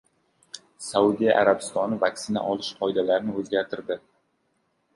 Saudiya Arabistoni vaksina olish qoidalarini o‘zgartirdi